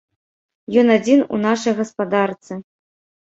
Ён адзін у нашай гаспадарцы.